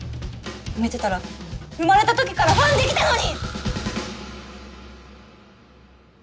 産めてたら生まれた時からファンできたのに！